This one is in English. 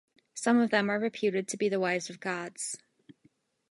Some of them are reputed to be the wives of gods.